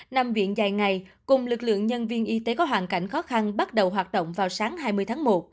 nằm viện dài ngày cùng lực lượng nhân viên y tế có hoàn cảnh khó khăn bắt đầu hoạt động vào sáng hai mươi tháng một